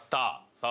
さあ